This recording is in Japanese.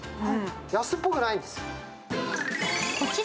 安っぽくないんです。